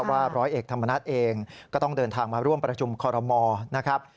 ว่าร้อยเอกธรรมนัฐเองก็ต้องเดินทางมาร่วมประชุมคอรมอนะครับ